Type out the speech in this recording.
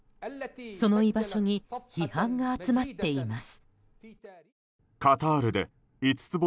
その居場所に批判が集まっています。